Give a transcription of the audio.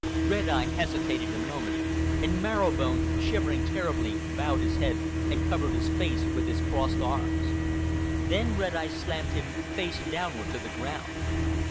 Red Eye hesitated a moment, and Marrow Bone, shivering terribly, bowed his head and covered his face with his crossed arms. Then Red Eye slammed him face downward to the ground.